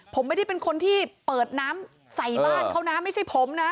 ผมไม่ได้เป็นคนที่เปิดน้ำใส่บ้านเขานะไม่ใช่ผมนะ